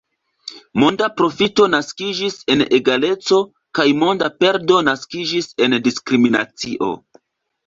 Monda profito naskiĝis en egaleco kaj monda perdo naskiĝis en diskriminacio.